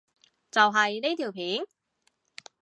就係呢條片？